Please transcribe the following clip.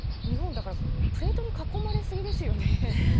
日本だからプレートに囲まれすぎですよね。